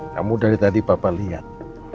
kamu dari tadi bapak lihat